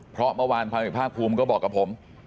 เพราะเมื่อวานภาคภูมิก็บอกกับผม